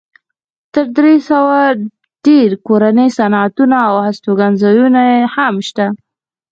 تر درې سوه ډېر کورني صنعتونه او هستوګنځایونه هم شته.